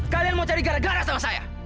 kalian mau cari gara gara sama saya